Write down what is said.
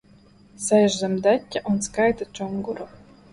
Sēž zem deķa un skaita čunguru.